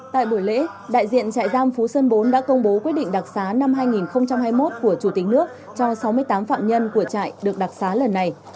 tại buổi lễ đại diện trại giam phú sơn bốn đã công bố quyết định đặc xá năm hai nghìn hai mươi một của chủ tịch nước cho sáu mươi tám phạm nhân của trại được đặc xá lần này